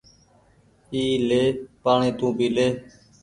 اي لي پآڻيٚ تونٚ پيلي